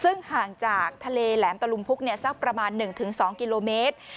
ซึ่งห่างจากทะเลแหลมตะลุมพุกสักประมาณ๑๒กิโลเมตร